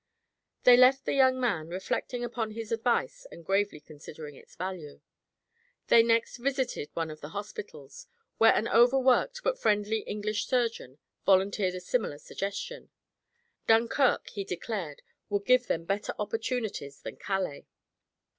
They left the young man, reflecting upon his advice and gravely considering its value. They next visited one of the hospitals, where an overworked but friendly English surgeon volunteered a similar suggestion. Dunkirk, he declared, would give them better opportunities than Calais.